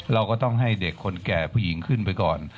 เราก็ต้องให้เด็กคนแก่ผู้หญิงขึ้นไปก่อน